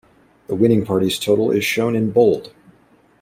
The winning party's total is shown in bold.